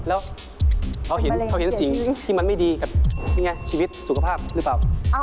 แล้วเขาเห็นสิ่งที่มันไม่ดีกับชีวิตสุขภาพหรือเปล่า